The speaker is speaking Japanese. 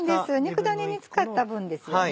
肉だねに使った分ですよね。